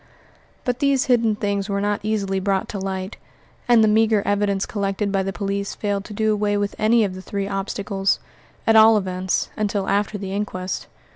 But these hidden things were not easily brought to light; and the meagre evidence collected by the police failed to do away with any one of the three obstacles at all events, until after the inquest.